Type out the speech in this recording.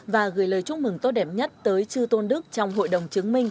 và gửi lời chúc mừng tốt đẹp nhất tới chư tôn đức trong hội đồng chứng minh